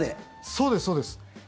そうです、そうです。